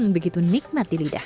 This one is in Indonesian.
begitu nikmat di lidah